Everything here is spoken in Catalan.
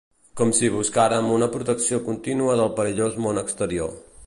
Com si buscàrem una protecció contínua del perillós món exterior.